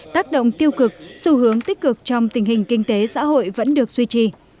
tác động tiêu cực xu hướng tích cực trong tình hình kinh tế xã hội vẫn được duy trì